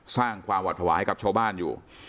สร้างความหวัดภาวะให้กับชาวบ้านอยู่